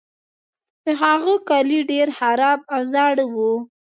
د هغه کالي ډیر خراب او زاړه وو.